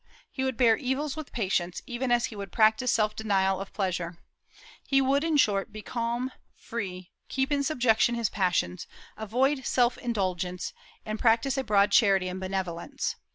He would bear evils with patience, even as he would practise self denial of pleasure. He would, in short, be calm, free, keep in subjection his passions, avoid self indulgence, and practise a broad charity and benevolence.